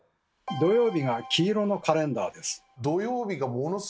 土曜日が黄色のカレンダーです。